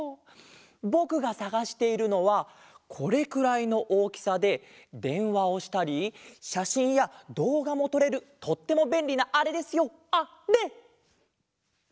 ぼくがさがしているのはこれくらいのおおきさででんわをしたりしゃしんやどうがもとれるとってもべんりなあれですよあれ！